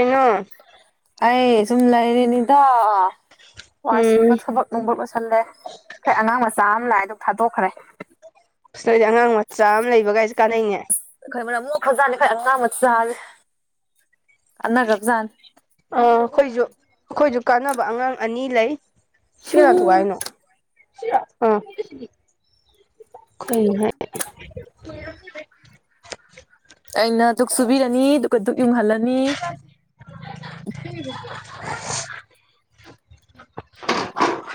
ꯎꯉ ꯑꯩ ꯁꯨꯝ ꯂꯩꯔꯦꯅꯤꯗ ꯋꯥ ꯁꯤꯠꯄ ꯎꯝ ꯊꯕꯛ ꯅꯨꯡꯕꯨꯠ ꯂꯁꯜꯂꯦ ꯑꯩꯣꯏ ꯑꯉꯥꯡ ꯃꯆꯥ ꯑꯃ ꯂꯥꯛꯑꯦꯗ ꯊꯥꯗꯣꯛꯈ꯭ꯔꯦ ꯅꯁꯦ ꯑꯉꯥꯡ ꯃꯆꯥ ꯑꯃ ꯂꯩꯕꯒꯥꯏꯁꯨ ꯀꯥꯟꯅꯩꯅꯦ ꯑꯩꯈꯣꯏ ꯃꯅ ꯑꯃꯨꯛ ꯈꯧꯖꯥꯠꯅꯤ ꯑꯩꯈꯣꯏ ꯑꯉꯥꯡ ꯃꯆꯥꯥꯅꯤ ꯑꯅꯥ ꯀꯞꯖꯥꯅꯤ ꯑꯥ ꯑꯩꯈꯣꯏꯁꯨ ꯑꯩꯈꯣꯏꯁꯨ ꯀꯥꯟꯅꯕ ꯑꯉꯥꯡ ꯑꯅꯤ ꯂꯩ ꯁꯤꯔꯥꯡꯗꯨꯏꯅꯣ ꯁꯤ ꯑꯅ ꯍ ꯑꯩꯅ ꯛ ꯁꯨꯕꯤꯔꯅꯤ ꯑꯗꯨ ꯌꯨꯝꯍꯜꯂꯟ ꯍꯝ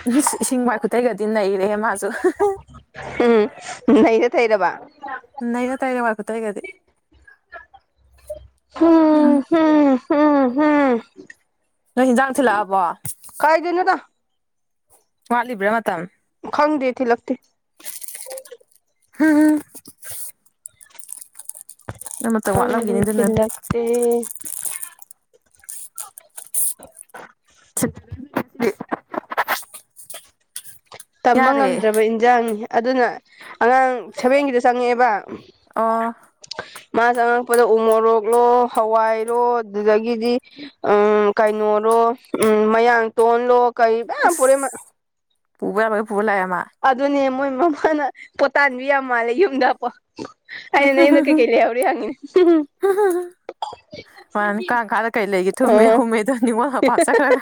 ꯎ ꯏꯁꯤꯡ ꯃꯥꯏ ꯈꯨꯨꯊꯩꯒꯗꯤ ꯅꯩꯔꯦ ꯃꯥꯁꯨ ꯎꯝ ꯍꯩꯅ ꯊꯩꯔꯕ ꯅꯩꯅ ꯇꯥꯏꯔ ꯃꯥꯀ ꯇꯩꯒꯗꯗꯤ ꯍꯝ ꯎꯝ ꯍꯝ ꯍꯝꯝ ꯅꯣꯏ ꯏꯟꯖꯥꯡ ꯊꯤꯜꯂꯛꯑꯕꯣ ꯈꯥꯏꯗꯅ ꯅ ꯋꯥꯠꯂꯤꯕ꯭ꯔꯥ ꯃꯇꯝ ꯈꯪꯗꯦ ꯊꯤ ꯂꯛꯇ ꯍꯥꯝ ꯅ ꯈꯪꯕꯤ ꯆꯜꯂꯛꯇꯦ ꯆ ꯇꯝꯕ ꯌꯥꯔꯦ ꯉꯝꯗ꯭ꯔꯕ ꯏꯟꯖꯥꯡꯅꯤ ꯑꯗꯨꯅ ꯑꯉꯥꯡ ꯁꯦꯚꯦꯟꯒꯤꯗ ꯆꯪꯉꯛꯑꯦꯕ ꯑꯥ ꯃꯥ ꯆꯉꯛꯄꯗ ꯎ ꯃꯣꯔꯣꯛꯂꯣ ꯍꯋꯥꯏꯔꯣ ꯑꯗꯨꯗꯒꯤꯗꯤ ꯎꯝ ꯀꯩꯅꯣꯔꯣ ꯎꯝ ꯃꯌꯥꯡ ꯇꯣꯜꯂꯣ ꯀꯩ ꯃꯌꯥꯝ ꯄꯣꯔꯛ ꯄꯨꯨꯕ ꯌꯥꯕ ꯄꯨꯔ ꯂꯥꯛꯌꯦ ꯃꯥ ꯑꯗꯨꯅꯦ ꯃꯣꯏ ꯃꯃꯥꯅ ꯄꯣꯇꯥꯟꯕꯤ ꯌꯥꯝ ꯃꯥꯜꯂꯦ ꯌꯨꯝꯗ ꯄꯣ ꯑꯩꯅ ꯅꯥꯌꯨꯝꯗ ꯀꯩ ꯀꯩ ꯂꯩꯍꯧꯔꯤ ꯍꯥꯡꯒꯦ ꯃꯥꯅꯤ ꯀ ꯀꯥꯗ ꯀꯔꯤ ꯂꯩꯒꯦ ꯊꯨꯝꯃꯦ ꯑꯣ ꯍꯨꯝꯃꯦ ꯑꯗꯨ ꯅꯤꯡꯉꯣꯜ ꯃꯄꯥꯝ ꯆꯠꯈ꯭ꯔꯒ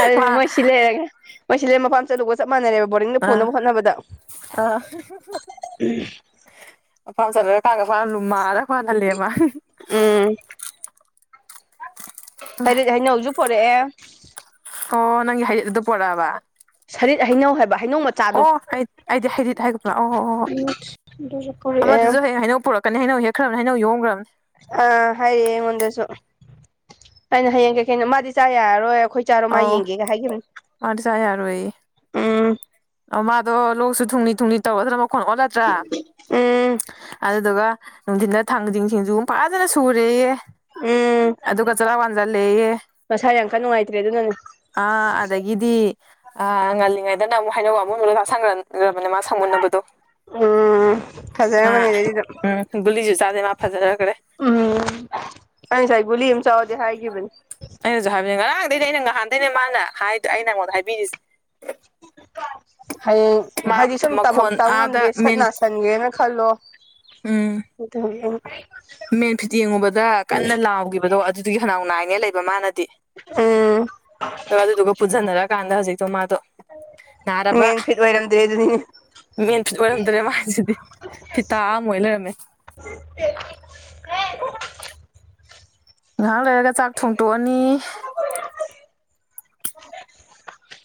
ꯑꯗꯨꯅ ꯃꯥ ꯃꯣꯏ ꯁꯤ ꯂꯩꯥꯏꯔꯒꯦ ꯃꯣꯏ ꯁꯤꯂꯦꯟ ꯃꯄꯥꯝ ꯆꯠꯂꯨꯕꯒ ꯆꯞ ꯃꯥꯟꯅꯔꯦꯕ ꯕꯣꯔꯗꯤꯡꯗ ꯑꯥ ꯕꯨꯅꯕ ꯍꯣꯠꯅꯕꯗ ꯑꯥ ꯃꯄꯥꯝ ꯆꯠꯂꯒ ꯀꯥꯒ ꯐꯂꯨ ꯃꯥꯂꯒ ꯐ ꯍꯜꯂꯦ ꯃꯥꯜꯂꯤ [inaudible] ꯎꯝ ꯍꯥꯌꯤꯠ ꯍꯩꯅꯥꯎꯁꯨ ꯄꯨꯔꯛꯑꯦ ꯑꯣ ꯅꯪ ꯍꯌꯤꯠꯗꯨ ꯄꯣꯔꯛꯑꯕ ꯁꯔꯤꯠ ꯍꯩꯅꯧ ꯍꯥꯏꯕ ꯍꯩꯅꯧ ꯃꯆꯥꯗꯣ ꯑꯣꯗꯤ ꯍꯥꯏꯗꯤ ꯍꯥꯏꯗꯤꯗꯤ ꯍꯥꯏꯒꯨꯝ ꯑꯣ ꯑꯗꯨꯁꯨ ꯄꯨꯔꯛꯑꯦ ꯑꯃꯗꯨꯁꯨ ꯍꯌꯦꯡ ꯍꯥꯏꯩꯅꯧ ꯄꯨꯔꯛ ꯀꯅꯤ ꯍꯥꯏꯩꯅꯧ ꯍꯦꯛꯈ꯭ꯔꯕꯅ ꯍꯥꯏꯅꯧ ꯌꯣꯡꯈ꯭ꯔꯕꯅꯤ ꯑꯥ ꯍꯥꯏꯔꯛꯑꯦ ꯑꯩꯉꯣꯟꯗꯁꯨ ꯑꯩꯅ ꯍꯌꯦꯡ ꯀꯩꯀꯩꯅꯣ ꯃꯥꯗꯤ ꯆꯥ ꯌꯥꯔꯔꯣꯏ ꯑꯩꯈꯣꯏ ꯆꯥꯔꯣ ꯃꯥ ꯌꯦꯡꯒꯦꯒ ꯍꯥꯏꯈꯤꯕꯦꯅꯦ ꯑꯥꯖ ꯌꯥꯔ ꯑꯣꯏ ꯑ ꯃꯥꯗꯣ ꯂꯣꯛꯁꯨ ꯊꯨꯡꯅꯤ ꯊꯨꯡꯅꯤ ꯇꯧꯒꯗ꯭ꯔꯥ ꯃꯈꯣꯟ ꯑꯣꯜꯂꯗ꯭ꯔꯥ ꯎꯝ ꯑꯗꯨꯗꯨꯒ ꯅꯨꯡꯊꯤꯟꯗ ꯊꯥꯡꯖꯤꯡ ꯁꯤꯡꯖꯒ ꯐꯖꯅ ꯁꯨꯔꯦꯌꯦ ꯎꯝ ꯑꯗꯨꯒ ꯆꯔ ꯋꯥꯖꯂꯌꯦꯦ ꯃꯁꯥ ꯌꯥꯝ ꯀꯟꯅ ꯅꯨꯡꯉꯥꯏꯇ꯭ꯔꯦ ꯑꯗꯨꯅꯅꯦ ꯑ ꯑꯗꯒꯤꯗꯤ ꯑ ꯉꯜꯂꯤꯉꯩꯗꯅ ꯑꯃꯨꯛ ꯍꯩꯅꯥꯎ ꯑꯃꯨꯟꯕꯗꯣ ꯆꯥꯁꯤꯟꯒꯔꯕꯅꯤꯅ ꯑꯃꯥ ꯁꯪꯃꯨꯟꯅꯕꯗꯣ ꯎꯝ ꯃꯥ ꯐꯖꯔꯝꯃꯅꯤ ꯑꯗꯩꯗꯤ ꯑꯗꯨꯝ ꯒꯨꯂꯥꯁꯨ ꯆꯥꯗꯦ ꯃꯥ ꯐꯖꯅꯔꯦ ꯎꯝ ꯑꯩ ꯉꯁꯥꯏ ꯒꯨꯂꯤ ꯑꯃ ꯆꯥꯎꯗꯦ ꯍꯥꯏꯈꯤꯕꯅꯦ ꯑꯩꯅꯁꯨ ꯍꯥꯏꯕꯅꯦ ꯉꯔꯥꯡꯗꯩꯅꯦ ꯑꯩꯅ ꯅꯍꯥꯟꯗꯩꯅꯦ ꯃꯥꯅ ꯍꯥꯏꯗꯣ ꯑꯩ ꯅꯪꯉꯣꯟꯗ ꯍꯥꯏꯕꯤꯔꯤꯁꯦ ꯎ [inaudible] ꯍꯌꯦꯡ ꯃꯥ ꯍꯥꯏꯗꯤ ꯁꯨꯝ ꯇꯃꯛ ꯃꯈꯣꯟ ꯇꯝ ꯉꯝꯗꯦ ꯑꯥꯗ ꯁꯠ ꯃꯦꯟ ꯅꯥꯁꯟꯒꯔꯦꯅ ꯈꯜꯂꯣ ꯎꯝ ꯑ [inaudible] ꯃꯦꯟ ꯐꯤꯠ ꯌꯦꯡꯉꯨꯕꯗ ꯀꯟꯅ ꯂꯥꯎꯈꯤꯕꯗꯣ ꯑꯗꯨꯒꯤ ꯈꯅꯥꯎ ꯅꯥꯏꯅꯦ ꯂꯩꯕ ꯃꯥꯅꯗꯤ ꯎꯝ ꯑꯗꯨꯒ ꯑꯗꯨꯗꯨꯒ ꯄꯨꯟꯁꯤꯟꯅꯔꯛꯀꯥꯟꯗ ꯍꯧꯖꯤꯛꯇꯣ ꯃꯥꯗꯣ ꯅꯥꯔꯕ ꯂꯩꯗꯅꯤ [inaudible] ꯃꯦꯟ ꯐꯤꯠ ꯑꯣꯏꯔꯝꯗ꯭ꯔꯦ ꯃꯥꯁꯤꯗꯤ ꯐꯤꯇꯥ ꯑꯃ ꯑꯣꯏꯅ ꯂꯩꯔꯝꯃꯦ ꯉꯥꯏꯍꯥꯛ ꯂꯩꯔꯒ ꯆꯥꯛ ꯊꯣꯡꯇꯣꯛꯑꯅꯤ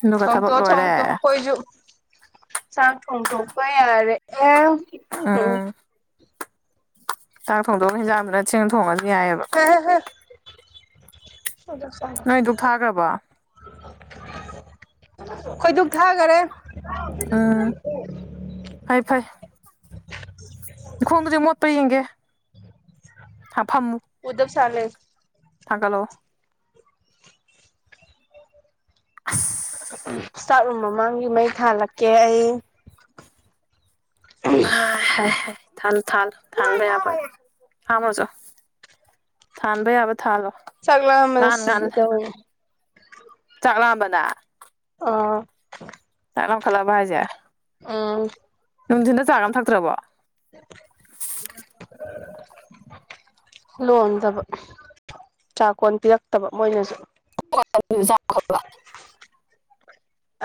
ꯑꯗꯨꯒ ꯊꯕꯛ ꯊꯣꯛꯗꯣꯛꯑꯣ ꯂꯣꯏꯔꯦ ꯊꯣꯡꯗꯣꯛꯑꯣ ꯈꯣꯏꯁꯨ ꯆꯥꯛ ꯊꯣꯡꯗꯣꯛꯄ ꯌꯥꯔꯛꯌꯦ ꯎꯝ ꯆꯥꯛ ꯊꯣꯡꯗꯣꯡꯑꯒ ꯍꯟꯖꯥꯡ ꯗꯨꯅ ꯊꯣꯡꯅ ꯊꯣꯡꯉꯁꯨ ꯌꯥꯏꯑꯦꯕ ꯍ [inaudible] ꯅꯣꯏ ꯘꯨꯛ ꯊꯥꯈ꯭ꯔꯕꯣ ꯈꯣꯏ ꯗꯨꯛ ꯊꯥꯈꯔꯦ ꯎꯝ ꯐꯩ ꯐꯩ ꯅꯈꯣꯡꯗꯨꯗꯤ ꯃꯣꯠꯄꯔꯥ ꯌꯦꯡꯒꯦ ꯍꯥ ꯐꯝꯃꯨ ꯎꯗꯞ ꯆꯂꯦꯁ [inaudible] ꯊꯥꯒꯠꯂꯛꯑꯣ ꯑꯁ ꯏꯁꯇꯥꯞꯔꯨꯝ ꯃꯃꯥꯡꯒꯤ ꯃꯩ ꯊꯥꯜꯂꯛꯀꯦ ꯑꯩ ꯊꯜꯂꯨ ꯊꯜꯂꯨ ꯊꯥꯟꯕ ꯌꯥꯕꯥ ꯊꯥꯟꯕ ꯌꯥꯕ ꯊꯥꯜꯂꯣ ꯆꯛ ꯂꯥꯝꯕꯅ ꯉꯥꯟ ꯁꯤꯒꯦ ꯉꯥꯟꯂꯦ ꯇꯧꯋꯤ ꯆꯥꯛ ꯂꯥꯝꯕꯅ ꯑꯥ ꯆꯥꯛ ꯂꯝꯈꯠꯂꯥꯛꯑꯕ ꯍꯥꯏꯖꯦ ꯑꯝ ꯅꯨꯡꯊꯤꯟꯗ ꯆꯥ ꯒ ꯑꯝ ꯊꯛꯇ꯭ꯔꯕꯣ ꯂꯣꯟꯗꯕ ꯆꯥꯛꯀꯣꯟ ꯄꯤꯔꯛꯇꯕ ꯃꯣꯏꯅꯁꯨ [unintelligible]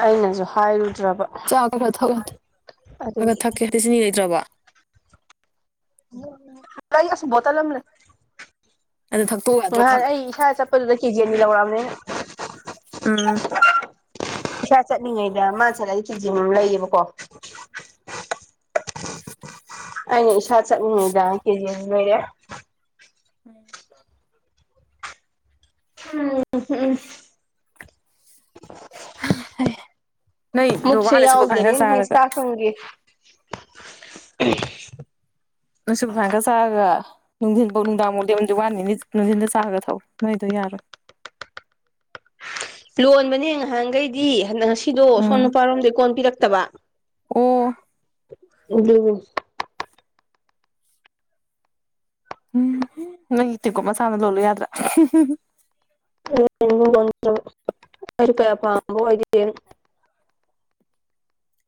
ꯑꯩꯅꯁꯨ ꯍꯥꯏꯔꯨꯗ꯭ꯔꯕ ꯆꯥꯛ ꯈ ꯈꯔ ꯊꯛꯦ ꯈ ꯑꯗꯨ ꯈꯔ ꯊꯛꯀꯦ ꯍꯥꯏꯗꯤ ꯆꯤꯅꯤ ꯂꯩꯇ꯭ꯔꯕ ꯑꯁꯨ ꯕꯣꯇꯜ ꯑꯃꯅꯦ ꯑꯗꯨ ꯊꯛꯇꯣꯛꯎ ꯌꯥꯗ꯭ꯔꯣ ꯉꯍꯥꯟ ꯈꯒ ꯑꯩ ꯏꯁꯥ ꯆꯄ ꯐꯂꯗ ꯀꯖꯤꯅꯤ ꯂꯧꯔ ꯑꯃꯅꯤꯅꯦ ꯑꯥ ꯄꯩꯁꯥ ꯆꯠꯂꯤꯉꯩꯗ ꯃꯥ ꯆꯠꯂꯗꯤ ꯐꯤꯖꯤ ꯑꯃ ꯂꯩꯌꯦꯕꯀꯣ ꯑꯩꯅꯥ ꯏꯁꯥ ꯆꯠꯂꯤꯉꯩꯗ ꯀꯦꯖꯤ ꯑꯅꯤ ꯂꯩꯔꯛꯌꯦ ꯎꯝ ꯍꯨꯝ ꯍꯨꯝ ꯅꯣꯏꯗꯣ ꯋꯥꯅ ꯁꯨꯕꯔ ꯐꯥꯢꯟ ꯈꯔ ꯆꯥꯔꯒ ꯍꯦ [inaudible] ꯁꯨꯨꯕꯔ ꯐꯥꯢꯜ ꯈꯔ ꯆꯥꯔꯒ ꯅꯨꯡꯊꯤꯟꯐꯧ ꯅꯨꯡꯗꯥꯡ ꯐꯥꯎꯗꯤ ꯂꯦꯟꯕ ꯋꯥꯅꯤ ꯅꯨꯡꯊꯤꯟꯗ ꯆꯥ ꯈꯔ ꯊꯥꯛꯎꯨ ꯅꯣꯢꯗꯣ ꯌꯥꯔꯣꯏ ꯂꯣꯟꯕꯅꯦ ꯉꯍꯥꯟꯈꯩꯗꯤ ꯉꯁꯤꯗꯣ ꯁꯣꯝ ꯎꯝ ꯅꯨꯄꯥꯔꯣꯝꯗꯩ ꯀꯣꯟ ꯄꯤꯔꯛꯇꯕ ꯑꯣ ꯎ ꯎꯝ ꯅꯣꯏ ꯏꯇꯦꯀꯣꯃ ꯁꯥꯟꯅ ꯂꯣꯜꯂꯨ ꯌꯥꯗ꯭ꯔꯥ [unintelligible] ꯑꯩ ꯀꯌꯥ ꯄꯥꯝꯕ ꯑꯣꯏꯗꯦ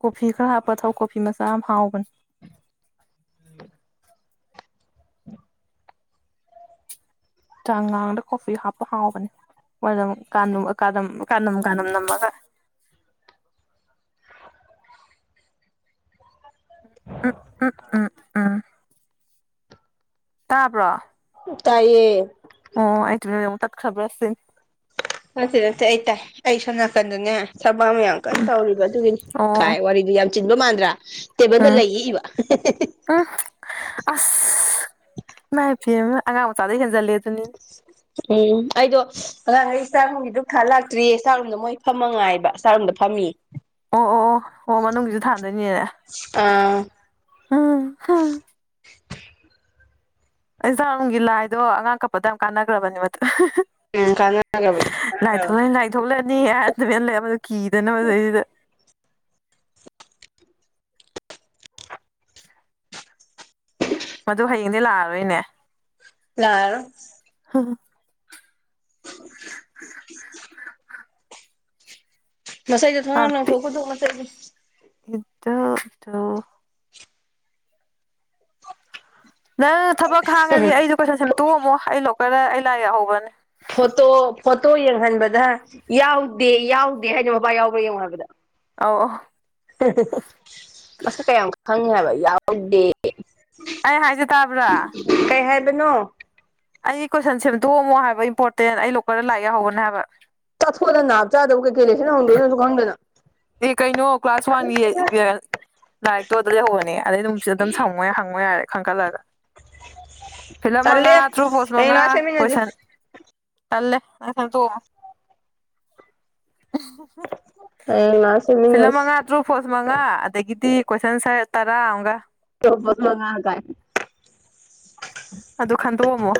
ꯀꯣꯐꯤ ꯈꯔ ꯍꯥꯞꯄ ꯊꯥꯎ ꯀꯣꯐꯤ ꯃꯆꯥ ꯑꯃ ꯍꯥꯎꯕꯅꯦ ꯆꯥꯡ ꯉꯥꯡꯗ ꯀꯣꯐꯤ ꯍꯥꯞꯄ ꯍꯥꯎꯕꯅꯦ ꯃ ꯀꯥꯅꯝ ꯀꯥꯅꯝ ꯅꯝꯃꯒ ꯎꯝ ꯎꯝ ꯎꯝ ꯇꯥꯕ꯭ꯔꯣ ꯇꯥꯏꯌꯦ ꯑꯣ ꯑꯩꯇ ꯇ ꯈꯕ ꯑꯁ ꯅꯁꯤ ꯅꯁꯤꯦ ꯑꯩ ꯇꯥꯏ ꯑꯩ ꯁꯣꯝ ꯅꯥꯀꯟꯗꯨꯅꯦ ꯁꯕꯥꯝ ꯃꯌꯥꯝ ꯀꯩꯅꯣ ꯎꯝ ꯇꯧꯔꯤꯕ ꯑꯗꯨꯒꯤꯅꯤ ꯑꯣ ꯈꯥꯏ ꯋꯥꯔꯤꯗꯨ ꯌꯥꯝ ꯆꯤꯟꯕ ꯃꯥꯟꯗ꯭ꯔꯥ ꯇꯦꯕꯜꯗ ꯎꯝ ꯂꯩ ꯏꯏꯕ ꯎꯝ ꯑꯁ ꯏꯃꯥꯏꯐ ꯑꯉꯥꯡ ꯃꯆꯥꯗꯩ ꯍꯦꯟꯖꯜꯂꯦ ꯑꯗꯨꯅꯤꯅꯦ ꯎꯝ ꯑꯩꯗꯣ ꯑꯉꯥꯡꯈꯩ ꯆꯥꯛꯔꯨꯝꯒꯤꯗꯨ ꯈꯥ ꯂꯥꯛꯇ꯭ꯔꯤꯌꯦ ꯆꯥꯔꯨꯝꯝꯗ ꯃꯣꯏ ꯐꯝꯃꯉꯥꯏꯕ ꯆꯔꯣꯨꯝꯗ ꯐꯝꯑ ꯑꯣ ꯑꯣ ꯑꯣ ꯑꯣ ꯃꯅꯨꯡꯒꯤꯁꯨ ꯊꯥꯟꯗꯣꯏꯅꯦꯅꯦ ꯑꯥ ꯍꯝ ꯑꯩꯁꯔꯅꯨꯡꯒꯤ ꯂꯥꯏꯗꯣ ꯑꯉꯥꯡ ꯀꯛꯄꯗ ꯌꯥꯝ ꯀꯥꯟꯅꯈ꯭ꯔꯕꯅꯦ ꯎꯝ ꯀꯥꯟꯅꯒ꯭ꯔꯕ ꯂꯥꯛꯑꯔꯣꯏ ꯂꯥꯏꯊꯣꯛꯂꯅꯤ ꯂꯥꯏꯊꯣꯛꯂꯅꯤ ꯍꯥꯏꯔ ꯅꯨꯃꯅ ꯂꯩꯕꯗ ꯀꯤꯗꯅꯕꯗꯩꯁꯤꯗ ꯃꯗꯨ ꯍꯌꯦꯡꯗꯤ ꯂꯥꯛꯑꯔꯣꯏꯅꯦ ꯌꯥꯔ ꯍꯝ ꯃꯩꯗꯣ ꯊꯣꯡꯅꯥ ꯂꯪꯊꯣꯛ ꯄꯨꯊꯣꯛꯅ ꯆꯅꯤ ꯏꯗꯗ ꯅꯪ ꯊꯕꯛ ꯍꯥꯡꯉꯗꯤ ꯑꯩꯗꯣ ꯀꯣꯏꯁꯟ ꯁꯦꯝ ꯇꯣꯛꯑꯝꯃꯣ ꯑꯩ ꯂꯣꯛꯀꯔꯗ ꯑꯩ ꯂꯥꯏ ꯌꯦꯛꯍꯧꯕꯅꯦ ꯐꯣꯇꯣ ꯐꯣꯇꯣ ꯌꯦꯡꯍꯟꯕꯗ ꯌꯥꯎꯗꯦ ꯌꯥꯎꯗꯦ ꯍꯥꯏꯅ ꯃꯕꯥ ꯌꯥꯎꯕ꯭ꯔꯥ ꯌꯦꯡꯉꯨ ꯍꯥꯏꯕꯗ ꯑꯥꯎ ꯑ ꯃꯁꯤ ꯀꯌꯥꯝ ꯈꯪꯉꯦ ꯍꯥꯏꯕ ꯌꯥꯎ ꯗꯦ ꯑꯩ ꯍꯥꯏꯁꯦ ꯇꯥꯕ꯭ꯔꯥ ꯀꯩ ꯍꯥꯏꯕꯅꯣ ꯑꯩꯒꯤ ꯀꯣꯏꯁꯟ ꯁꯦꯝꯗꯣꯛꯑꯝꯃꯣ ꯍꯥꯏꯕ ꯏꯝꯄꯣꯔꯇꯦꯟ ꯑꯩ ꯂꯣꯛ ꯀꯔꯗ ꯂꯥꯛ ꯌꯥꯎꯍꯧꯕꯅꯦ ꯍꯥꯏꯕ ꯆꯥꯊꯣꯛꯗ ꯅꯥꯞ ꯆꯥꯗꯕ ꯀꯩ ꯀꯩ ꯂꯩꯦꯅ ꯅꯪꯗꯣꯏꯅꯁꯨ ꯈꯪꯗꯅ ꯑꯦ ꯀꯥꯏꯅꯣ ꯀ ꯀ꯭ꯂꯥꯁ ꯋꯥꯟ ꯂꯥꯏꯔꯤꯛꯇꯣ ꯑꯗꯨ ꯂꯩꯍꯧꯕꯅꯦ ꯑꯗꯩ ꯅꯨꯅꯨꯡꯠꯁꯤꯗ ꯑꯗꯨꯝ ꯁꯪꯉꯣꯏ ꯌꯥ ꯍꯪꯉꯣꯏ ꯌꯥꯔꯦ ꯈꯟꯒꯠꯂꯒ ꯐꯤꯂꯝ ꯃꯪꯉꯥ ꯇꯜꯂꯦ ꯇ꯭ꯔꯨꯐꫭꯜꯁ ꯍꯌꯦꯡ ꯃꯪꯉꯥ ꯂꯥꯛꯑ ꯁꯦꯝꯃꯤꯟꯅꯁꯦ ꯀꯣꯏꯁꯟ ꯇꯜꯂꯦ ꯅꯪ ꯁꯦꯝꯇꫭꯛ ꯑꯝꯃꫭ ꯍꯌꯦꯡ ꯂꯥꯁ ꯐꯤꯂꯞ ꯃꯪꯉꯥ ꯇ꯭ꯔꯨ ꯐꯣꯜꯁ ꯃꯪꯉꯥ ꯑꯗꯒꯤꯗꯤ ꯀꯣꯏꯁꯟ ꯑꯟ ꯁꯔ ꯇꯔꯥ ꯑꯃꯒ ꯇ ꯂꯉꯅ ꯀꯥꯏ [unintelligible] ꯑꯗꯨ ꯈꯟꯗꯣꯛꯑꯝꯃꯣ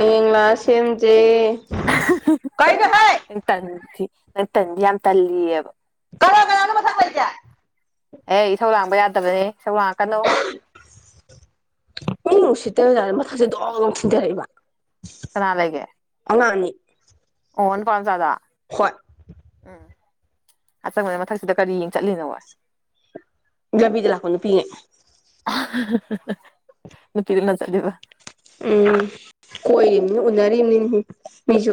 ꯑꯌꯦꯡ ꯂꯥꯛꯑ ꯁꯦꯝꯖꯦ ꯀꯩꯅꯣꯍꯦ ꯑꯗꯨ ꯇꯟꯗꯤ ꯈꯔ ꯇꯟꯗꯤ ꯌꯥꯝ ꯇꯜꯂꯤꯌꯦꯕ ꯀꯅꯥ ꯀꯅꯥꯅꫭ ꯃꯊꯛ ꯂꯩꯖꯦ ꯑꯦ ꯏꯊꯧꯧ ꯂꯥꯡꯕ ꯌꯥꯗꯕꯅꯦ ꯏꯧ ꯂꯥꯡꯉꯛꯀꯅꯨ ꯄꯨꯡ ꯅꯨꯡꯁꯤꯠꯇꯔꯖꯥꯔꯦ ꯃꯊꯛꯥꯁꯦ ꯗꯣꯡ ꯂꯣꯛ ꯊꯤꯟꯊꯔꯛꯏꯕ ꯀꯅꯥ ꯂꯩꯒꯦ ꯑꯉꯥꯡꯅꯤ ꯑꯣꯅ ꯄ ꯆꯗ ꯍꯣꯏ ꯎꯝ ꯑꯆꯪꯕꯅ ꯃꯊꯛꯁꯤꯗ ꯀꯔꯤ ꯌꯦꯡ ꯆꯠꯂꯤꯅꯣ ꯍꯣꯏ ꯒꯕꯤꯗ ꯂꯥꯛꯄ ꯅꯨꯄꯤꯅꯦ ꯅ ꯀꯤꯔꯤꯅ ꯆꯗꯕ ꯎꯝ ꯀꯣꯏꯝꯅꯤ ꯎꯅꯔꯤꯕꯝꯅꯤꯅꯦ ꯃꯤꯁꯨ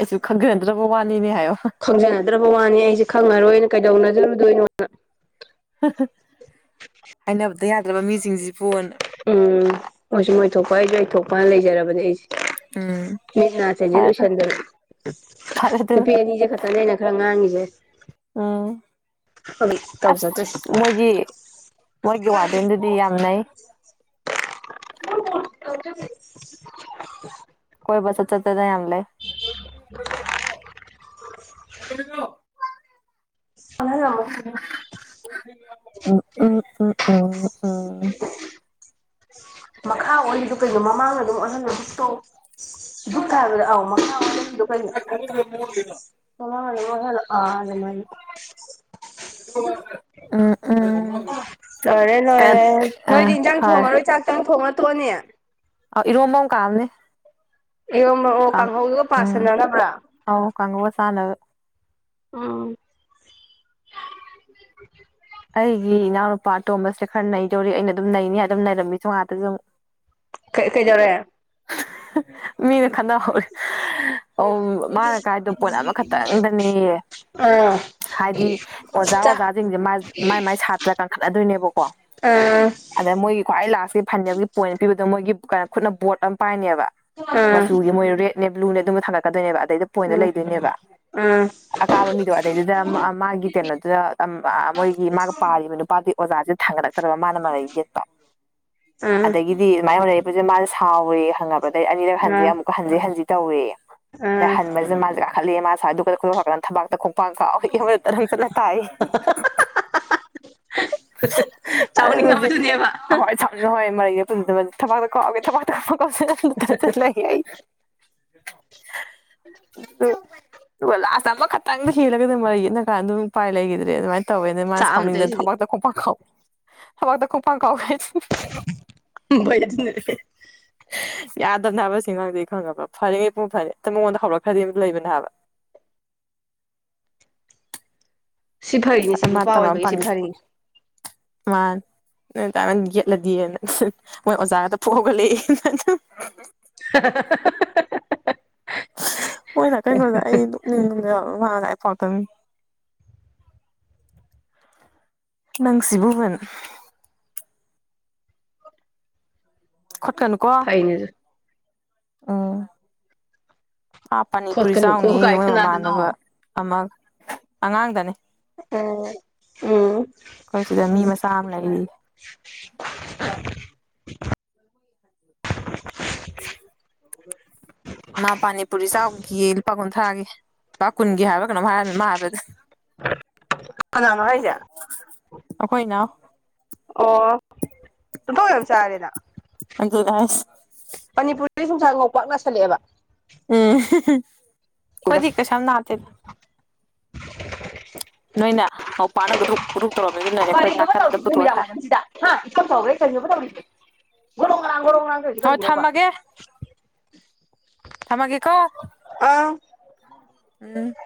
ꯑꯩꯁꯨ ꯈꯪꯖꯗ꯭ꯔꯕ ꯋꯥꯅꯤꯅꯦ ꯍꯥꯏꯌꯣ ꯈꯪꯖꯅꯗ꯭ꯔꯕ ꯋꯥꯅꯤ ꯑꯩꯖꯨ ꯈꯪꯉꯔꯣꯏꯅ ꯀꯩꯗꯧꯅꯖꯔꯨꯗꯣꯏꯅꯣꯅ ꯍꯥꯏꯅꯕꯗ ꯌꯥꯗ꯭ꯔꯕ ꯃꯤꯁꯤꯡꯁꯤ ꯐꯣꯟ ꯎꯝ ꯃꫭꯏꯁꯨ ꯃꫭꯏꯊꯣꯛꯄ ꯑꯩꯖꯨ ꯑꯩꯊꯣꯛꯄꯅ ꯂꯩꯖꯔꯕꯅꯦ ꯑꯩꯁꯦ ꯎꯝ ꯃꯤꯠꯅ ꯆꯦꯖꯦꯠ ꯐꯔꯦ ꯎꯏꯁꯟꯗꯅ ꯐꯔꯦ ꯑꯗꯨꯅ ꯅꯨꯄꯤ ꯑꯅꯤꯖꯦ ꯈꯇꯅꯦ ꯑꯩꯅ ꯈꯔ ꯉꯥꯡꯉꯤꯖꯦ ꯎꯝ ꯑꯁ ꯇꯧꯖꯗ꯭ꯔꯤ ꯃꯣꯏꯒꯤ ꯃꯣꯏꯒꯤ ꯋꯥꯔꯗꯦꯟꯗꯨꯗꯤ ꯌꯥꯝꯅꯩ [unintelligible] ꯀꯣꯏꯕ ꯆꯠ ꯆꯠꯇꯅ ꯌꯥꯝ ꯂꯩ ꯀ ꯀꯩꯗꯧꯔꯤꯅꫭ ꯑꯣꯟꯍꯜꯂꯝ ꯎꯝ ꯎꯝ ꯎꯝ ꯎꯝꯎꯝ ꯃꯈꯥ ꯑꯣꯜꯂꯤꯗꯨ ꯀꯩꯅꯣ ꯃꯃꯥꯡ ꯑꯗꯨꯝ ꯑꫭꯜꯍꯜꯂꯨ ꯇꯣꯛ ꯊꯨꯞ ꯀꯥꯏꯕꯗ ꯑꯧ ꯃꯈꯥꯗ ꯀꯩꯅꫭ ꯃꯃꯥꯡ ꯑꯗꯨꯝ ꯑꫭꯜꯍꯜꯂꫭ ꯑ ꯑꯗꯨꯃꯥꯏꯅ ꯎꯝ ꯎꯝ ꯂꯣꯏꯔꯦ ꯀꯩꯅꯣ ꯂꯣꯏꯔꯦ ꯑ ꯅꯣꯏꯗꯤ ꯏꯟꯖꯥꯡ ꯐꯔꯦ ꯊꯣꯡꯉꯔꯣꯏ ꯆꯥꯛꯇꯪ ꯊꯣꯡꯉ ꯇꫭꯛꯑꯅꯤ ꯑ ꯏꯔꯝꯕꯃ ꯀꯥꯝꯅꯤ ꯏꯔꫭꯝꯚ ꯑꫭ ꯀꯥꯡ ꯀꯥꯡꯍꯧꯗꯨꯒ ꯎꯝ ꯄꯁꯟꯅꯅꯕ꯭ꯔꯥ ꯑꯧ ꯀꯥꯡꯉꯧꯒ ꯆꯥꯅꯕ ꯎꯝ [inaudible] ꯑꯩꯒꯤ ꯏꯅꯥꯎꯅꯨꯄꯥ ꯑꯇꯣꯝꯕꯁꯦ ꯈꯔ ꯅꯩꯗꯧꯔꯤ ꯑꯩꯅ ꯑꯗꯨꯝ ꯅꯩꯅꯤ ꯑꯗꯨꯝ ꯅꯩꯔꯝꯃꯤꯁꯨ ꯑꯗꯥꯗꯨꯝ ꯀꯩ ꯀꯩꯗꯧꯔꯦ ꯃꯤꯗ ꯈꯠꯅ ꯍꯧ ꯑꯧ ꯃꯥꯅ ꯇꯥꯏꯗꯣ ꯄꯣꯟ ꯑꯃꯈꯛꯇꯪꯗꯅꯦꯌꯦ ꯑꯥ ꯍꯥꯏꯗꯤ ꯑꯣꯖꯥ ꯑꯣꯖꯥꯖꯤꯡꯖꯦ ꯃꯥ ꯃꯥꯏ ꯃꯥꯏ ꯁꯥꯇ꯭ꯔ ꯀꯟꯈꯠꯅꯗꯣꯏꯅꯦꯕꯀꯣ ꯑꯥ ꯑꯗ ꯃꯣꯏꯒꯤ ꯈ꯭ꯋꯥꯏ ꯂꯥꯁꯀꯤ ꯐꯟꯗꯦꯜꯒꯤ ꯄꯣꯏꯟ ꯄꯤꯕꯗꯣ ꯃꯣꯏꯒꯤ ꯀꯩꯅꯣ ꯈꯨꯠꯅ ꯕꯣꯠ ꯑꯃ ꯄꯥꯏꯅꯦꯕ ꯑꯥ ꯑꯥ ꯃꯆꯨꯖꯤ ꯃꯣꯏ ꯔꯦꯠꯅꯦ ꯕ꯭ꯂꯨꯅꯦ ꯑꯗꯨꯝꯕ ꯊꯥꯡꯒꯠꯀꯗꯣꯏꯅꯦꯕ ꯑꯗꯩꯗ ꯄꯣꯏꯟꯗꫭ ꯂꯩꯗꯣꯏꯅꯦꯕ ꯑꯥ ꯑꯀꯥꯕ ꯃꯤꯗꯣ ꯑꯗꯩꯗꯨꯗ ꯃꯥꯒꯤ ꯀꯩꯅꯣꯗꯨꯗ ꯑꯝ ꯑꯥ ꯃꯣꯏ ꯃꯥꯒ ꯄꯥꯔꯤꯕ ꯅꯨꯄꯥꯗꯨ ꯑꯣꯖꯥꯥꯖꯤ ꯊꯥꯡꯒꯠꯂꯛꯇ꯭ꯔꯕ ꯃꯥꯅ ꯃꯔꯩ ꯌꯦꯠꯄ ꯑꯥ ꯑꯗꯒꯤ ꯗꯤ ꯑꯗꯨꯃꯥꯏꯅꯔꯛꯄꯁꯦ ꯃꯥꯅ ꯁꯥꯎꯋꯦꯌꯦ ꯈꯪꯉꯕ ꯑꯗꯩ ꯑꯅꯤꯔꯛ ꯍꯟꯖꯦ ꯑꯥ ꯑꯃꯨꯛꯀ ꯍꯟꯖꯤ ꯍꯟꯖꯤ ꯇꯧꯋꯦꯌꯦ ꯑꯗꯩ ꯑꯥ ꯍꯟꯕꯁꯤꯅ ꯃꯥꯁꯦ ꯀꯥꯈꯠꯂꯦ ꯃꯥꯁꯦ ꯑꯗꯨꯒꯗꯗꯅ ꯊꯕꯥꯛꯇ ꯈꯣꯡꯄꯥꯡ ꯑꯗꯩ ꯆꯠꯂ ꯇꯥꯏ ꯑꯗꯨ ꯍꯧꯖꯤ ꯆꯥꯎꯅꯤꯡꯉꯕꯗꯨꯅꯦꯕ ꯍꯣꯏ ꯅ ꯍꯣꯏ ꯃꯩꯗ ꯄꯨ ꯊꯕꯛꯇ ꯀꯥꯎꯑꯒꯦ ꯊꯠꯂꯦ ꯑꯩ [unintelligible] ꯑꯗꯨ ꯂꯥꯁꯇ ꯑꯃꯈꯛꯇꯪꯗ ꯍꯦꯜꯂꯒ ꯑꯗꯨꯝ ꯃꯔꯩ ꯌꯦꯠꯅ ꯀꯥꯟꯗ ꯑꯗꯨꯝ ꯎꯄꯥꯏ ꯂꯩꯈꯤꯗ꯭ꯔꯦ ꯑꯗꯨꯃꯥꯏꯅ ꯇꯧꯋꯦ ꯃꯥꯅ ꯁꯥꯎꯅꯤꯡꯗꯅ ꯆꯥꯛꯑꯝꯗꯣꯏꯁꯤꯗꯤ ꯊꯕꯥꯛꯇ ꯀꯣꯡꯄꯥꯡ ꯈꯥꯎ ꯊꯃꯛꯗ ꯈꯣꯡꯄꯥꯡ ꯈꯥꯎ ꯕꯣꯏ [unintelligible] ꯌꯥꯗꯕꯅ ꯍꯥꯏꯕ ꯑꯥꯁꯤ ꯑꯉꯥꯡꯁꯦ ꯈꯪꯉꯕ ꯐꯔꯦꯉꯩ ꯄꯨꯡꯐ ꯐꯔꯦ ꯃꯉꯣꯟꯗ ꯍꯧꯔꯛꯈ꯭ꯔꯗꯤ ꯑꯗꯨꯝ ꯂꯩꯕꯅꯦ ꯍꯥꯏꯕ ꯁꯤ ꯐꯔꯤꯅꯤ ꯁꯤ ꯅꯨꯄꯥ ꯑꯣꯏꯕꯒꯤ ꯁꯤ ꯐꯔꯤꯅꯤ ꯃꯥꯅꯤ ꯅꯣꯏ ꯑꯗꯥꯟꯅ ꯌꯦꯠꯂꯗꯤꯅ ꯃꯣꯏ ꯑꯣꯖꯥꯒꯗꫭ ꯐꯨꯛ ꯍꯧꯒꯠ ꯂꯛꯑꯦ [unintelligible] [unintelligible] ꯅꯪꯁꯤꯕꯨ ꯈꯠꯀꯅꯨ ꯀꯣ ꯐꯩꯅꯦ ꯑꯗꯨ ꯎ ꯄꯅꯤꯄꯨꯔꯤ ꯈꯣꯠꯀꯅꯨꯀꯣ ꯆꯥꯎꯅꯤ ꯀꯥꯏ ꯃꯣꯏ ꯃꯃꯥꯟꯅꯕ ꯀꯅꯥꯗꯅꯣ ꯑꯃꯒ ꯑꯉꯥꯡꯗꯅꯦ ꯎꯝ ꯎꯝ ꯑꯩꯈꯣꯏ ꯁꯤꯗ ꯃꯤ ꯃꯁꯥ ꯑꯃ ꯂꯩꯔꯤ [unintelligible] [unintelligible] ꯃꯥ ꯄꯥꯅꯤꯄꯨꯔꯤ ꯆꯥꯎꯒꯤ ꯂꯨꯄꯥ ꯀꯨꯟꯊ꯭ꯔꯥꯒꯤ ꯂꯨꯄꯥ ꯀꯨꯟꯒꯤ ꯍꯥꯏꯕ ꯀꯩꯅꯣꯝ ꯍꯥꯏꯔꯝꯃꯦ ꯃꯥ ꯍꯥꯏꯕꯗ ꯀꯅꯅꯣ ꯍꯥꯏꯁꯦ ꯑꯈꯣꯏ ꯏꯅꯥꯎ ꯑꯣ ꯏꯟꯊꯣꯛ ꯌꯥꯝ ꯆꯥꯔꯦꯗ ꯑꯗꯨꯅꯦ ꯍꯥꯏꯁꯦ ꯃꯅꯤꯄꯨꯔꯗꯩ ꯁꯨꯝꯁꯥ ꯉꯧ ꯄꯥꯛ ꯉꯁꯤꯜꯂꯛꯑꯦꯕ ꯎꯝ ꯈꯣꯏꯗꯤ ꯀꯁꯝ ꯅꯗꯦꯗ ꯅꯣꯏꯅ ꯅꯥꯎꯄꯥꯅꯥ ꯈꯥꯗꯨ꯭ꯔ ꯄꯨꯔꯨꯞ ꯇꯧꯔꯝꯃꯦ ꯑꯗꯨꯅꯅꯦ ꯀꯔꯤꯅꯣꯕ ꯇꯧꯔꯤꯁꯦ ꯅꯨꯃꯤꯠꯗꯥꯡ ꯋꯥꯏꯔꯝꯁꯤꯗꯥ ꯍꯥ ꯏꯆꯥꯎ ꯆꯥꯑꯣꯒꯩ ꯒꯣꯔꯣꯡ ꯒꯔꯥꯡ ꯒꯣꯔꯣꯡ ꯒꯔꯥꯡ ꯇꯧꯔꯤꯁꯦ ꯍꯣꯏ ꯀꯔꯤꯒꯤꯅꯣꯕ ꯊꯝꯃꯒꯦ ꯊꯝꯃꯥꯒꯦꯀꯣ ꯑꯥ ꯎꯝ